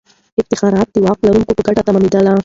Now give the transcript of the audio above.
افتخارات د واک لرونکو په ګټه تمامېدل.